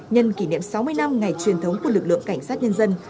nhân kỷ niệm sáu mươi năm ngày truyền thống của lực lượng cảnh sát nhân dân